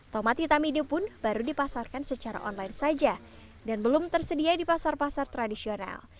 tomat hitam ini pun baru dipasarkan secara online saja dan belum tersedia di pasar pasar tradisional